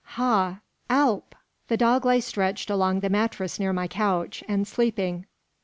"Ha, Alp!" The dog lay stretched along the mattress near my couch, and sleeping.